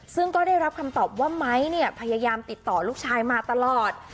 ซึ่งก็ได้รับคำตอบว่าไม้เนี่ยพยายามติดต่อลูกชายมาตลอด